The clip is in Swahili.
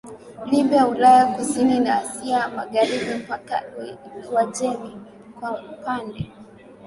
Libia Ulaya Kusini na Asia Magharibi mpaka Uajemi Kwa upande